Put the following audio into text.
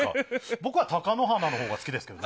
僕は貴乃花のほうが好きですけどね。